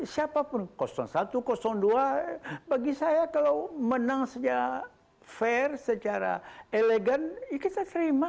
siapapun satu dua bagi saya kalau menang secara fair secara elegan ya kita terima